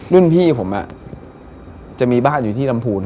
รุ่นพี่ผมจะมีบ้านอยู่ที่ลำพูน